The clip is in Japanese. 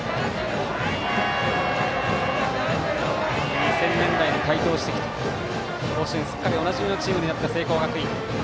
２０００年代に台頭してきて甲子園すっかりおなじみのチームになった聖光学院。